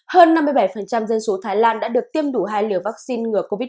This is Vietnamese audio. hơn năm mươi bảy dân số thái lan đã được tiêm đủ hai liều vaccine ngừa covid một mươi chín